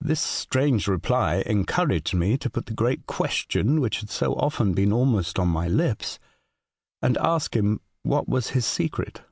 This strange reply encouraged me to put the great question which had so often been almost on my lips, and ask him what was his secret.